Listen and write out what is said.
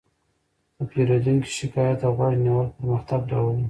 د پیرودونکي شکایت ته غوږ نیول پرمختګ راولي.